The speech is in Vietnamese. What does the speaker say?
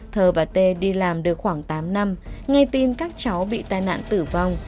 thờ và t đi làm được khoảng tám năm nghe tin các cháu bị tai nạn tử vong